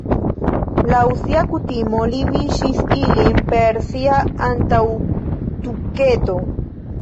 Laŭ sia kutimo li viŝis ilin per sia antaŭtuketo.